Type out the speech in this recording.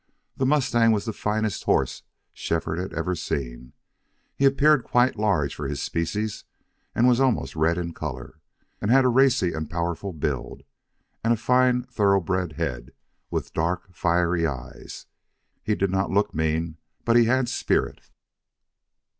This mustang was the finest horse Shefford had ever seen. He appeared quite large for his species, was almost red in color, had a racy and powerful build, and a fine thoroughbred head with dark, fiery eyes. He did not look mean, but he had spirit.